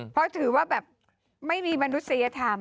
เพราะถือว่าแบบไม่มีมนุษยธรรม